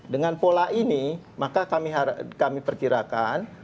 dengan pola ini maka kami perkirakan